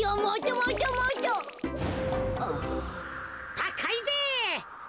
たかいぜ。